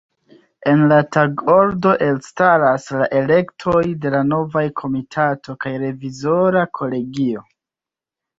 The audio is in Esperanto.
En la tagordo elstaras la elektoj de la novaj Komitato kaj revizora kolegio.